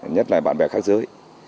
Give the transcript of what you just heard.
nhất là bạn bè khác giới